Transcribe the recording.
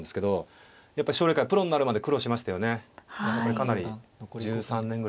かなり１３年ぐらい。